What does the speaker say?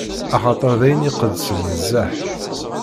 Axaṭer d ayen iqedsen nezzeh.